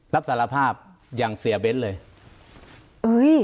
รับสารภาพอย่างเสียเบ้นเลยเอ้ย